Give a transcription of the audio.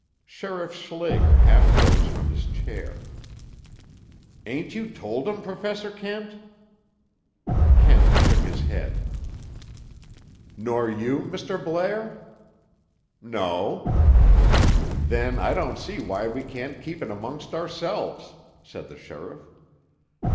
Sheriff Schlager half rose from his chair. "Ain't you told 'em, Professor Kent?" Kent shook his head. "Nor you, Mr. Blair?" "No." "Then I don't see why we can't keep it amongst ourselves," said the sheriff.